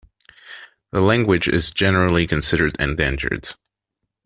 The language is generally considered endangered.